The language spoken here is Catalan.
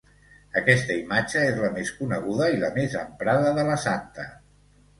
Aquesta imatge és la més coneguda i la més emprada de la Santa.